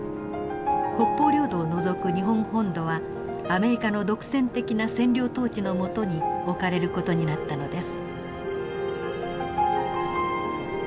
北方領土を除く日本本土はアメリカの独占的な占領統治の下に置かれる事になったのです。